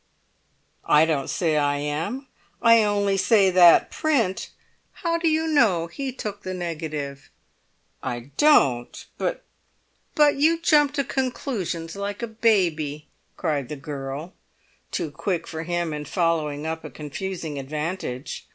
"I don't say I am. I only say that print——" "How do you know he took the negative?" "I don't, but——" "But you jump to conclusions like a baby!" cried the girl, too quick for him in following up a confusing advantage.